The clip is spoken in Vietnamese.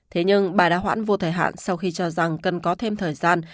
thế nhưng bà đã hoãn vô thời hạn sau khi cho rằng cần có thêm thời gian